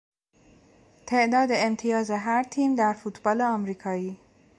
تعداد امتیاز هر تیم در فوتبال آمریکایی